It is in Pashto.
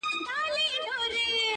زه یې وینمه که خاص دي او که عام دي,